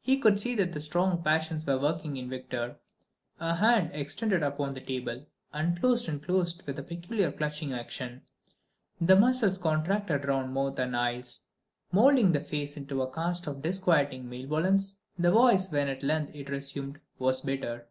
He could see that strong passions were working in Victor: a hand, extended upon the table, unclosed and closed with a peculiar clutching action; the muscles contracted round mouth and eyes, moulding the face into a cast of disquieting malevolence. The voice, when at length it resumed, was bitter.